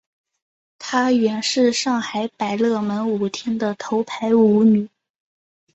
她原是上海百乐门舞厅的头牌舞女。